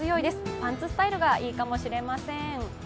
パンツスタイルがいいかもしれません。